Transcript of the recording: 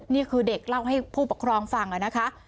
นี่คือเด็กเล่าให้ผู้ปกครองฟังนะคะ